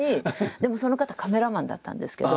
でもその方カメラマンだったんですけど。